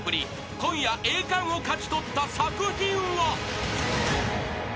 ［今夜栄冠を勝ち取った作品は］